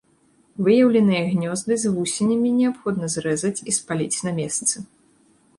Выяўленыя гнёзды з вусенямі неабходна зрэзаць і спаліць на месцы.